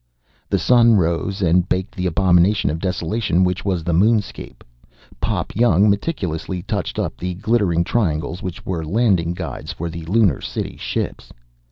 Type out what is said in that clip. The sun rose, and baked the abomination of desolation which was the moonscape. Pop Young meticulously touched up the glittering triangles which were landing guides for the Lunar City ships.